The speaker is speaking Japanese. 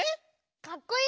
かっこいい。